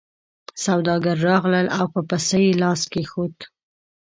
سوداګر راغلل او په پسه یې لاس کېښود.